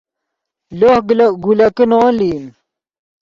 لوہ گولکے نے ون لئیم